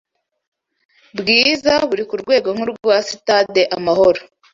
bwiza buri ku rwego nk’urwa Sitade Amahoro